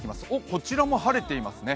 こちらも晴れていますね。